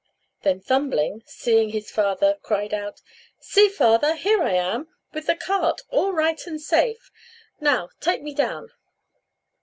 Then Thumbling, seeing his father, cried out, "See, father, here I am, with the cart, all right and safe; now take me down."